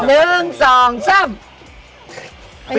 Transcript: หนึ่งสองซ้ำยาดมนุษย์ป้า